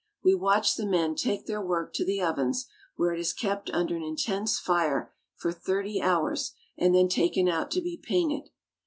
We watch the men take their work to the ovens, where it is kept under an intense fire for thirty hours and then taken out to be painted.